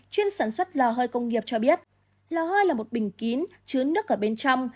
chuyên sản xuất lò hơi công nghiệp cho biết lò hơi là một bình kín chứa nước ở bên trong